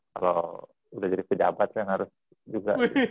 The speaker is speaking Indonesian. kalo udah jadi pejabat kan harus juga